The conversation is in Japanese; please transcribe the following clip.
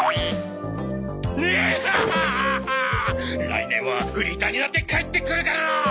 来年はフリーターになって帰ってくるからな！